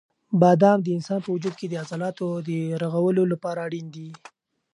بادام د انسان په وجود کې د عضلاتو د رغولو لپاره اړین دي.